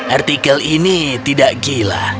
artikel ini tidak gila